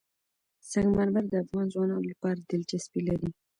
سنگ مرمر د افغان ځوانانو لپاره دلچسپي لري.